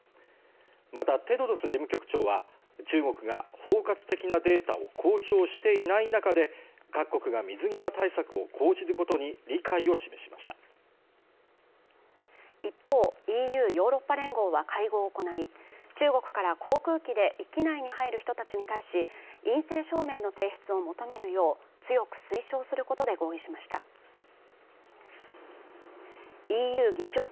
またテドロス事務局長は中国が包括的なデータを公表していない中で各国が水際対策を講じることに理解を示しました一方ＥＵ＝ヨーロッパ連合は会合を行い中国から航空機で域内に入る人たちに対し陰性証明の提出を求めるよう強く推奨することで合意しましたＥＵ議長国